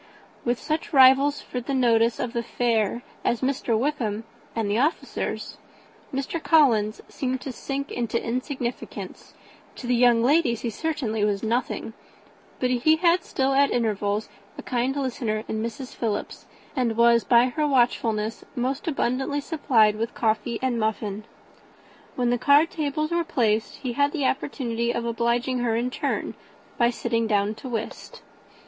With such rivals for the notice of the fair as Mr. Wickham and the officers, Mr. Collins seemed to sink into insignificance; to the young ladies he certainly was nothing; but he had still at intervals a kind listener in Mrs. Philips, and was, by her watchfulness, most abundantly supplied with coffee and muffin. When the card tables were placed, he had an opportunity of obliging her, in return, by sitting down to whist.